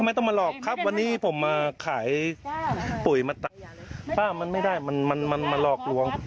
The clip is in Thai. มองหน้าเนี่ยไม่ต้องกลัวโควิดไม่มีหรอก